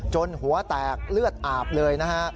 หัวแตกเลือดอาบเลยนะฮะ